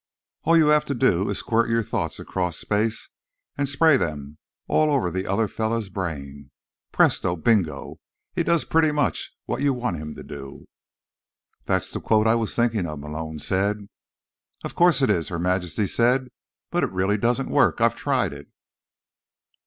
All you have to do is squirt your thoughts across space and spray them all over the other fellow's brain. Presto bingo, he does pretty much what you want him to do.'" "That's the quote I was thinking of," Malone said. "Of course it is," Her Majesty said. "But it really doesn't work. I've tried it."